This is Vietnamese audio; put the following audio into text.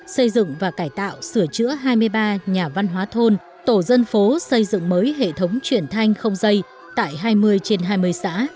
xây dựng và cải tạo sửa chữa hai mươi ba nhà văn hóa thôn tổ dân phố xây dựng mới hệ thống chuyển thanh không dây tại hai mươi trên hai mươi xã